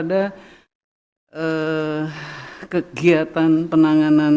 dan kegiatan pengendalian polusi udara ini